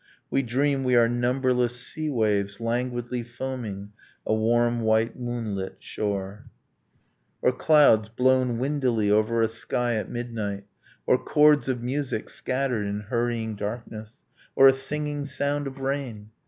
We dream we are numberless sea waves languidly foaming A warm white moonlit shore; Or clouds blown windily over a sky at midnight, Or chords of music scattered in hurrying darkness, Or a singing sound of rain